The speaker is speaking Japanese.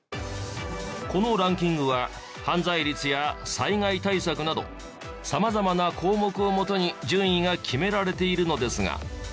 このランキングは犯罪率や災害対策など様々な項目をもとに順位が決められているのですが。